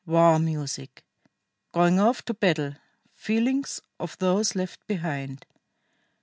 WAR MUSIC. GOING OFF TO BATTLE. FEELINGS OF THOSE LEFT BEHIND.